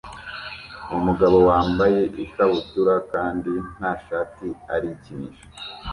Umugabo wambaye ikabutura kandi nta shati arikinisha